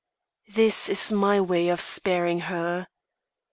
This is my way of sparing her.